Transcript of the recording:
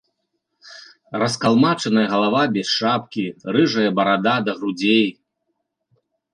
Раскалмачаная галава без шапкі, рыжая барада да грудзей.